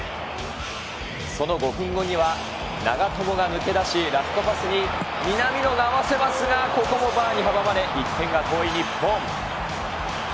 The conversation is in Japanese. その５分後には長友が抜け出し、ラストパスに南野が合わせますが、ここもバーに阻まれ、１点が遠い日本。